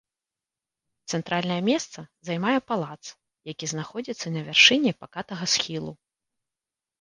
Цэнтральнае месца займае палац, які знаходзіцца на вяршыні пакатага схілу.